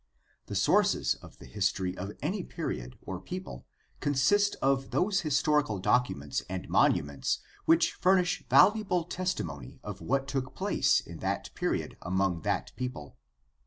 The sources of the history of any period or people consist of those historical documents and monuments which furnish valuable testimony of what took place in that period among that people.